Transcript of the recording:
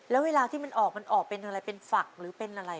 แล้วเวลาที่มันออกมันออกเป็นอะไรเป็นฝักหรือเป็นอะไร